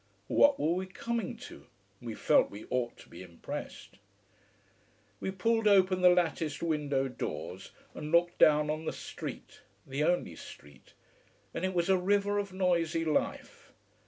What were we coming to! We felt we ought to be impressed. We pulled open the latticed window doors, and looked down on the street: the only street. And it was a river of noisy life.